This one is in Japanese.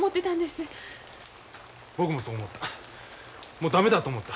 僕もそう思った。